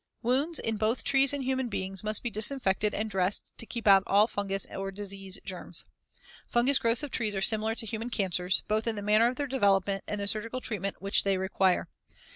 Wounds, in both trees and human beings, must be disinfected and dressed to keep out all fungus or disease germs. Fungous growths of trees are similar to human cancers, both in the manner of their development and the surgical treatment which they require.